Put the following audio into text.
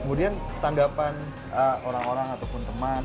kemudian tanggapan orang orang ataupun teman